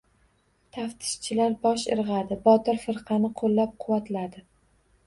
Taftishchilar bosh irg‘adi. Botir firqani qo‘llab-quvvatladi.